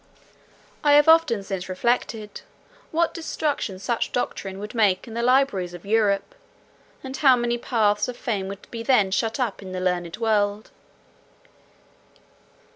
I have often since reflected, what destruction such doctrine would make in the libraries of Europe; and how many paths of fame would be then shut up in the learned world.